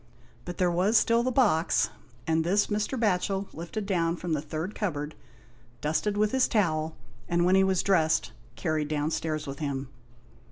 But there *was still the box, and this Mr. Batchel lifted down from the third cupboard, dusted with his towel, and when he was dressed, carried downstairs with him.